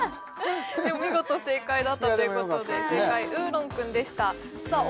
でも見事正解だったということで正解うーろん君でしたさあ